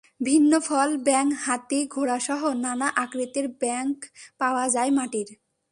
বিভিন্ন ফল, ব্যাঙ, হাতি, ঘোড়াসহ নানা আকৃতির ব্যাংক পাওয়া যায় মাটির।